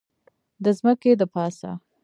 د ځمکې دپاسه